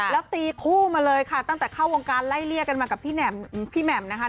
แล้วตีคู่มาเลยค่ะตั้งแต่เข้าวงการไล่เลี่ยกันมากับพี่แหม่มนะคะ